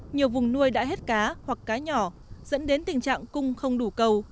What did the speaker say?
nhiều vùng nuôi đã hết cá hoặc cá nhỏ dẫn đến tình trạng cung không đủ cầu